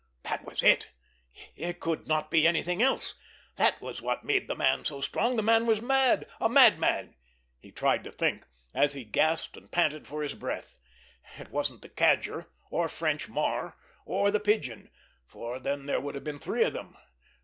That was it! It could not be anything else. That was what made the man so strong. The man was mad—a madman! He tried to think, as he gasped and panted for his breath. It wasn't the Cadger, or French Marr, or the Pigeon, for then there would have been three of them.